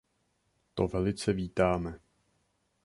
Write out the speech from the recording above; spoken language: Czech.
To velice vítáme.